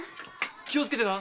気をつけてな。